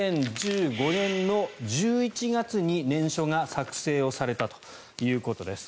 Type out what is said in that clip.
２０１５年の１１月に念書が作成をされたということです。